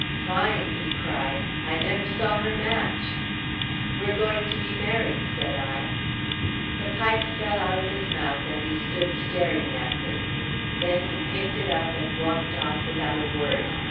"Fine!" he cried; "I never saw her match!" "We're going to be married," said I. The pipe fell out of his mouth, and he stood staring at me. Then he picked it up and walked off without a word.